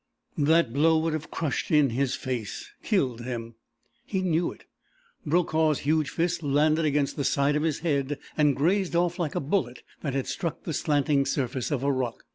That blow would have crushed in his face killed him. He knew it. Brokaw's huge fist landed against the side of his head and grazed off like a bullet that had struck the slanting surface of a rock.